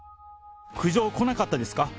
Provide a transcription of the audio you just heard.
苦情来なかったですか？